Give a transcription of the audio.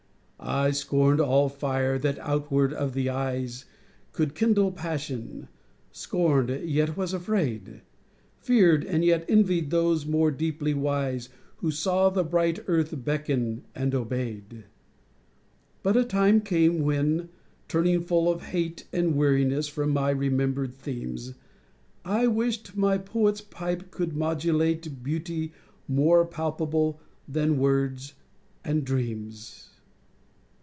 I scorned all fire that outward of the eyes Could kindle passion; scorned, yet was afraid; Feared, and yet envied those more deeply wise Who saw the bright earth beckon and obeyed. But a time came when, turning full of hate And weariness from my remembered themes, I wished my poet's pipe could modulate Beauty more palpable than words and dreams.